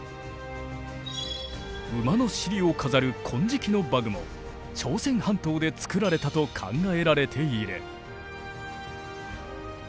馬の尻を飾る金色の馬具も朝鮮半島で作られたと考えられている。